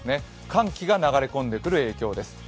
寒気が流れ込んでくる影響です。